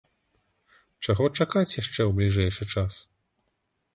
Чаго чакаць яшчэ ў бліжэйшы час?